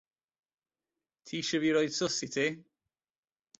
Ti eisiau i fi roi sws i ti?